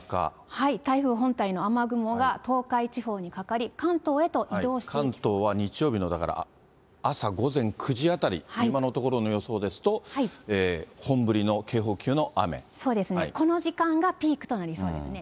台風本体の雨雲が東海地方にかかり、関東は日曜日のだから、朝、午前９時あたり、今のところの予想ですと、本降りの、この時間がピークとなりそうですね。